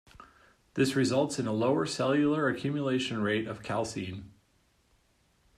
This results in a lower cellular accumulation rate of calcein.